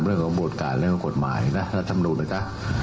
เรื่องของบทการเรื่องของกฎหมายนะรัฐธรรมดุนะคะ